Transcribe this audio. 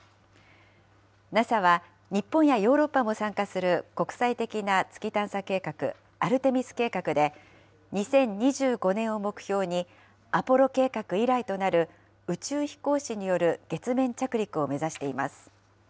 ＮＡＳＡは日本やヨーロッパも参加する国際的な月探査計画、アルテミス計画で、２０２５年を目標に、アポロ計画以来となる、宇宙飛行士による月面着陸を目指しています。